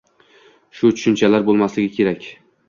Shu tushunchalar bo‘lmasligi kerak.